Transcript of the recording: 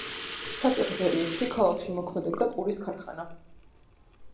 საბჭოთა პერიოდში ქალაქში მოქმედებდა პურის ქარხანა.